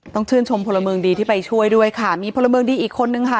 ต้องชื่นชมพลเมืองดีที่ไปช่วยด้วยค่ะมีพลเมืองดีอีกคนนึงค่ะ